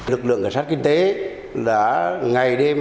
lực lượng cảnh sát kinh tế đã ngày đêm